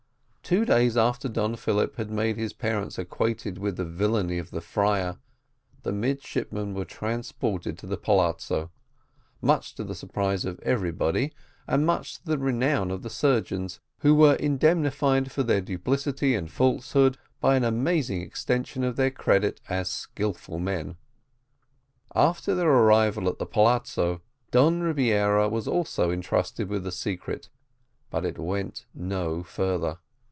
Two days after Don Philip had made his parents acquainted with the villainy of the friar, the midshipmen were transported to the palazzo, much to the surprise of everybody, and much to the renown of the surgeons, who were indemnified for their duplicity and falsehood by an amazing extension of their credit as skilful men. After their arrival at the palazzo, Don Rebiera was also entrusted with the secret, but it went no further.